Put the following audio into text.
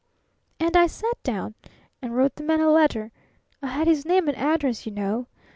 "And I sat down and wrote the man a letter I had his name and address, you know.